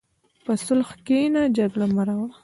په صلح کښېنه، جګړه مه راوړه.